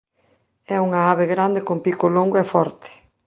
É unha ave grande con pico longo e forte.